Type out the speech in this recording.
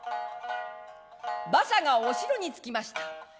馬車がお城に着きました。